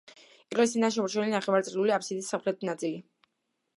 ეკლესიიდან შემორჩენილია ნახევარწრიული აბსიდის სამხრეთი ნაწილი.